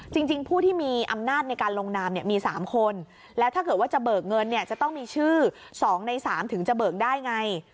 จริงผู้ที่มีอำนาจในการลงนามเนี่ยมี๓คนแล้วถ้าเกิดว่าจะเบิกเงินเนี่ยจะต้องมีชื่อ๒ใน๓ถึงจะเบิกได้ไง